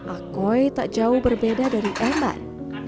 akoy tak jauh berbeda dari eman